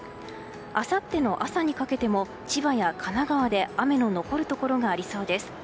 あさっての朝にかけても千葉や神奈川で雨の残るところがありそうです。